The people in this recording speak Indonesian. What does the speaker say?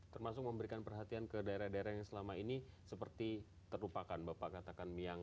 termasuk memberikan perhatian ke daerah daerah yang selama ini seperti terlupakan bapak katakan miang